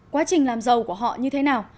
quá trình làm giàu của họ như thế nào